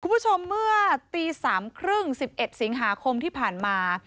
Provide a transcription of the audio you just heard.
คุณผู้ชมเมื่อตี๓๓๐๑๑สิงหาคมที่ผ่านมา